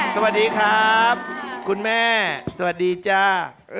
สวัสดีครับคุณแม่สวัสดีจ้า